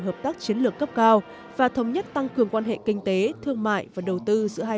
hợp tác chiến lược cấp cao và thống nhất tăng cường quan hệ kinh tế thương mại và đầu tư giữa hai